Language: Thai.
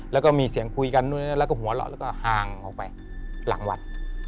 แล้วก็มีเสียงคุยกันด้วยแล้วก็หัวเราะแล้วก็ห่างออกไปหลังวัด